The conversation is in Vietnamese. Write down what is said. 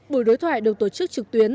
buổi đối thoại được tổ chức trực tuyến